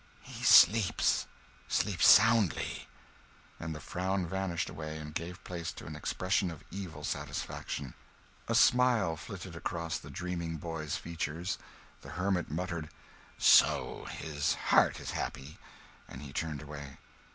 "He sleeps sleeps soundly;" and the frown vanished away and gave place to an expression of evil satisfaction. A smile flitted across the dreaming boy's features. The hermit muttered, "So his heart is happy;" and he turned away.